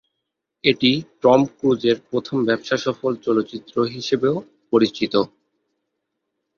এটি টম ক্রুজের প্রথম ব্যবসাসফল চলচ্চিত্র হিসেবেও পরিচিত।